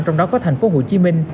trong đó có thành phố hồ chí minh